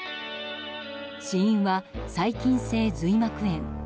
死因は細菌性髄膜炎。